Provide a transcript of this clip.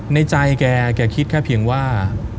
ในใจแกคิดแค่เพียงว่า